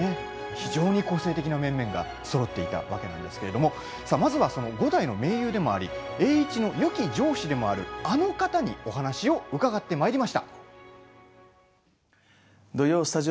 非常に個性的な面々がそろっていたわけですけれども五代の盟友であり栄一のよき上司でもあるあの方にお話を伺ってまいりました。